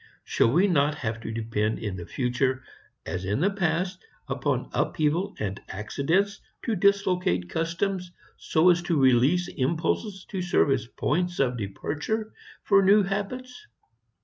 Shall we not have to depend in the future as in the past upon upheaval and accident to dislocate customs so as to release impulses to serve as points of departure for new habits?